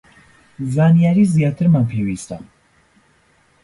زانیاری زیاترمان پێویستە